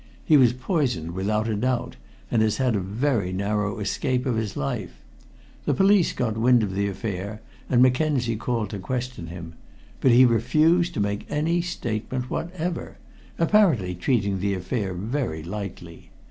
He was poisoned without a doubt, and has had a very narrow escape of his life. The police got wind of the affair, and Mackenzie called to question him. But he refused to make any statement whatever, apparently treating the affair very lightly.